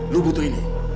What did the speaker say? lu butuh ini